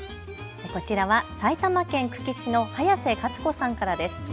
こちらは埼玉県久喜市の早瀬勝子さんからです。